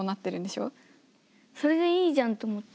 それでいいじゃんと思って。